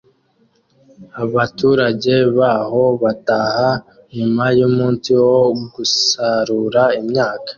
Abaturage baho bataha nyuma yumunsi wo gusarura imyaka